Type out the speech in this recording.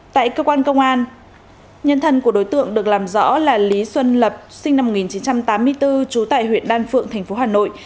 tại cơ quan công an nhân thân của đối tượng được làm rõ là lý xuân lập sinh năm một nghìn chín trăm tám mươi bốn trú tại huyện đan phượng tp hcm